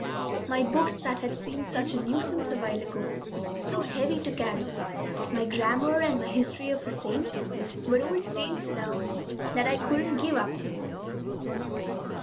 My books, that had seemed such a nuisance a while ago, so heavy to carry, my grammar, and my history of the saints, were old friends now that I couldn't give up.